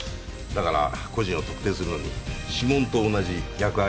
だから個人を特定するのに指紋と同じ役割を果たすんだ。